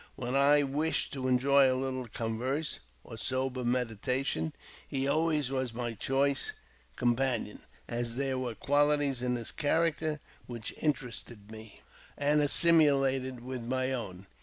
When I wished to enjoy a little converse or sober meditation, he alw^ays was my chosen companion, as there were qualities in his character which interested me and assimilated with my own.